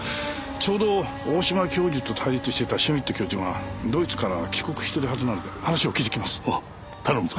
ちょうど大島教授と対立していたシュミット教授がドイツから帰国してるはずなので話を聞いてきます。